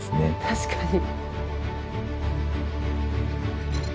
確かに。